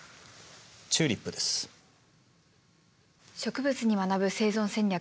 「植物に学ぶ生存戦略」。